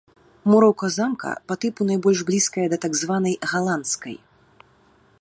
Муроўка замка па тыпу найбольш блізкая да так званай галандскай.